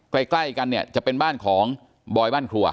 ใกล้กันเนี่ยจะเป็นบ้านของบอยบ้านครัว